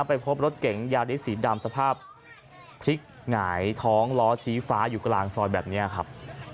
ไปพบรถเก๋งยาริสสีดำสภาพพลิกหงายท้องล้อชี้ฟ้าอยู่กลางซอยแบบนี้ครับ